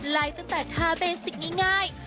ตั้งแต่ทาเบสิกง่าย